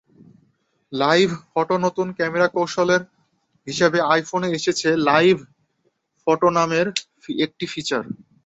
Live ফটোনতুন camera কৌশল হিসেবে আইফোনে এসেছে লাইভ ফটো নামের একটি ফিচার।